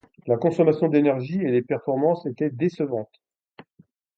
La consommation d'énergie et les performances étaient décevantes.